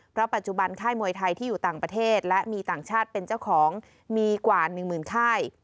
เพราะปัจจุบันค่ายมวยไทยที่อยู่ต่างประเทศและมีต่างชาติเป็นเจ้าของมีกว่า๑หมื่นค่าย